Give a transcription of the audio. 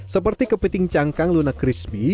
seperti kepiting cangkang lunak crispy